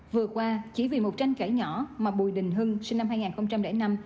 vừa qua chỉ vì một tranh cãi nhỏ mà bùi đình hưng sinh năm hai nghìn năm